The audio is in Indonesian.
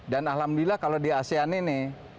dan alhamdulillah kalau di asean ini